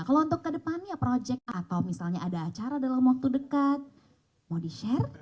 kalau untuk ke depan ya project atau misalnya ada acara dalam waktu dekat mau di share